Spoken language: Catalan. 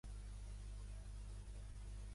Jofré tenia sols quinze anys i onze menys que Matilde.